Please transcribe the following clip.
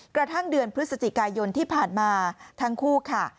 กระทั่งเดือนพฤศจิกายนที่ผ่านมาทั้งคู่ค่ะ